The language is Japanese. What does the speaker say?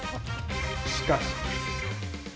しかし。